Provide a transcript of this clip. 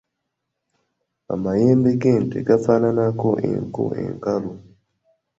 Amayembe g’ente gafaananako enku enkalu.